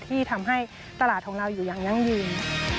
ที่ทำให้ตลาดของเราอยู่อย่างยั่งยืน